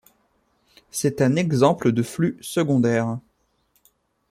C'est un exemple de flux secondaire.